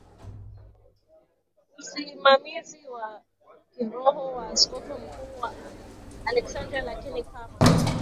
usimamizi wa kiroho wa Askofu mkuu wa Aleksandria Lakini kama